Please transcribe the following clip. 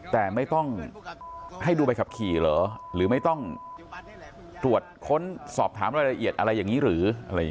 แต่ไม่ต้องให้ดูใบขับขี่เหรอหรือไม่ต้องตรวจค้นสอบถามรายละเอียดอะไรอย่างนี้หรืออะไรอย่างนี้